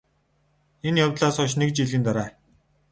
энэ явдлаас хойш НЭГ жилийн дараа